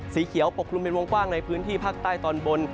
สีเขียวปกคลุมเป็นวงกว้างในพื้นที่ภาคใต้ตอนบน